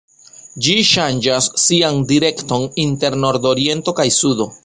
Ĝi ŝanĝas sian direkton inter nordoriento kaj sudo.